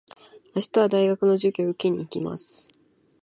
明日は大学の授業を受けに行きます。